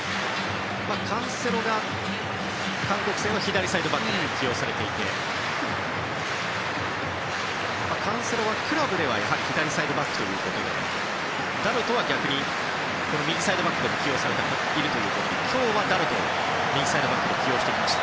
カンセロが韓国戦は左サイドバックで起用されていてカンセロはクラブでは左サイドバックダロトは逆に右サイドバックで起用されているということで今日はダロトを右サイドバックで起用してきました。